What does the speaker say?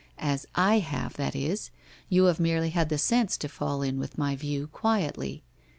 As / have, that is, you have merely had the sense to fall in with my view quietly.